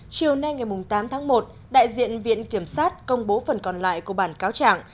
chiều nay ngày tám tháng một đại diện viện kiểm sát công bố phần còn lại của bản cáo trạng